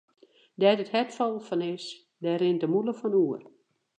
Dêr't it hert fol fan is, dêr rint de mûle fan oer.